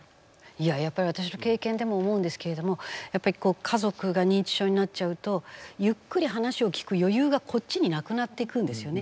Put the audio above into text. やっぱり私の経験でも思うんですけれどもやっぱり家族が認知症になっちゃうとゆっくり話を聞く余裕がこっちになくなっていくんですよね。